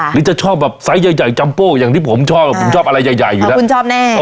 หรือจะชอบแบบไซส์ใหญ่จัมโป้อย่างที่ผมชอบผมชอบอะไรใหญ่อยู่แล้วคุณชอบแน่